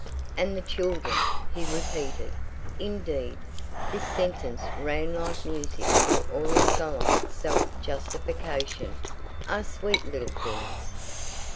And the children," he repeated—indeed, this sentence ran like music through all his solemn self justification—"are sweet little things!"